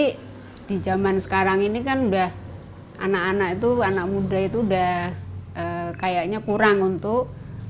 tapi di zaman sekarang ini kan udah anak anak itu anak muda itu udah kayaknya kurang untuk